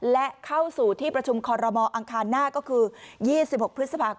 และเข้าสู่ที่ประชุมคอรมอังคารหน้าก็คือ๒๖พฤษภาคม